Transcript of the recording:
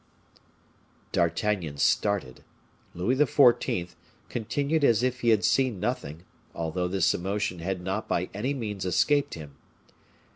D'Artagnan started. Louis XIV. continued as if he had seen nothing, although this emotion had not by any means escaped him.